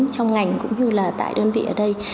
trong ngành cũng như là tại đơn vị ở đây